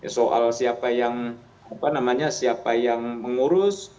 soal siapa yang mengurus